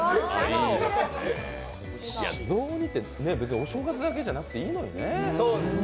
雑煮ってお正月だけじゃなくていいのにね。